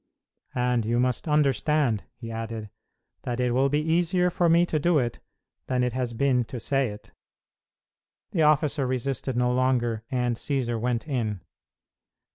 "And you must understand," he added, "that it will be easier for me to do it than it has been to say it." The officer resisted no longer, and Cćsar went in.